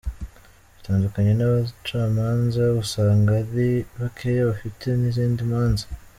Bitandukanye n’abacamanza usanga ari bakeya bafite n’izindi manza.